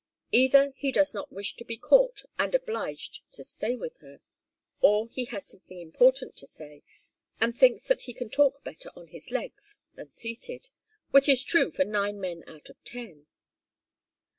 Either he does not wish to be caught and obliged to stay with her, or he has something important to say, and thinks that he can talk better on his legs than seated, which is true for nine men out of ten.